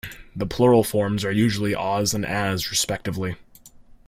The plural forms are usually "-os" and "-as" respectively.